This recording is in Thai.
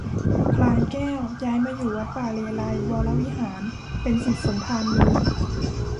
พลายแก้วย้ายมาอยู่วัดป่าเลไลยก์วรวิหาร เป็นศิษย์สมภารมี